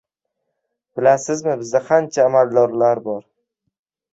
Bilasizmi, bizda qancha amaldor bor?